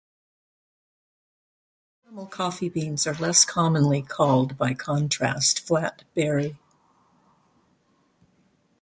Normal coffee beans are less commonly called by contrast flat berry.